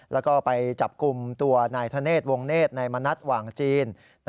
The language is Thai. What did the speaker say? และไปจับกลุ่มตัวนายธเนษฐ์วงเนษฐ์ในมณัฐหว่างจีน